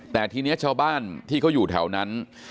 แต่ทีนี้ชาวบ้านที่เขาอยู่แถวนั้น